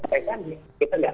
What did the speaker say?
kita enggak lihat lagi